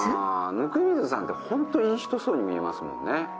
温水さんってホントいい人そうに見えますもんね。